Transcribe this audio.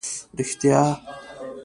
رښتیا.